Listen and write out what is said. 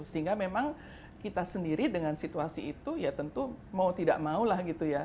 sehingga memang kita sendiri dengan situasi itu ya tentu mau tidak mau lah gitu ya